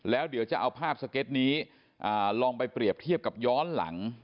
แล้วเดี๋ยวจะเอาภาพสเก็ตนี้ลองไปเปรียบเทียบกับย้อนหลัง